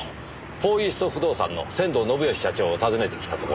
フォーイースト不動産の仙道信義社長を訪ねてきたところです。